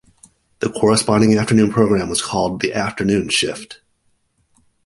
The corresponding afternoon program was called "The Afternoon Shift".